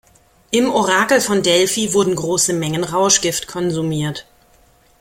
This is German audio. Im Orakel von Delphi wurden große Mengen Rauschgift konsumiert.